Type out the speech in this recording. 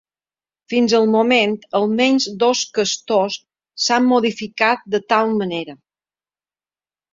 Fins al moment, almenys dos castors s'han modificat de tal manera.